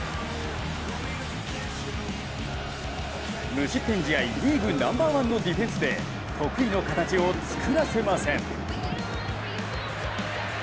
無失点試合リーグナンバーワンのディフェンスで得意の形を作らせません。